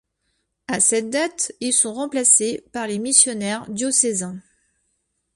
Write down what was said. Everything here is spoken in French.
À cette date, ils sont remplacés par les Missionnaires diocésains.